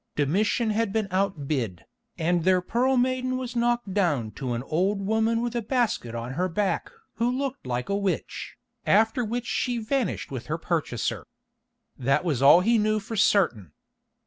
Domitian had been outbid, and their Pearl Maiden was knocked down to an old woman with a basket on her back who looked like a witch, after which she vanished with her purchaser. That was all he knew for certain.